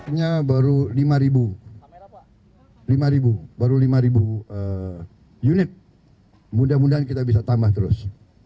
ini baru lima unit mudah mudahan kita bisa tambah terus